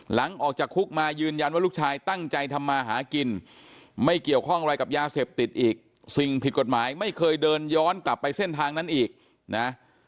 หลังจากออกจากคุกมายืนยันว่าลูกชายตั้งใจทำมาหากินไม่เกี่ยวข้องอะไรกับยาเสพติดอีกสิ่งผิดกฎหมายไม่เคยเดินย้อนกลับไปเส้นทางนั้นอีกนะ